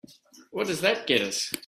What does that get us?